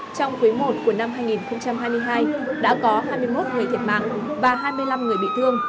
trong quý i của năm hai nghìn hai mươi hai đã có hai mươi một người thiệt mạng và hai mươi năm người bị thương